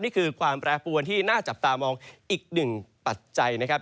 นี่คือความแปรปวนที่น่าจับตามองอีกหนึ่งปัจจัยนะครับ